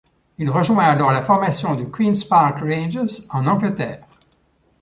Il rejoint alors la formation du Queens Park Rangers en Angleterre.